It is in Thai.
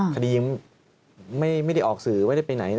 ยังไม่ได้ออกสื่อไม่ได้ไปไหน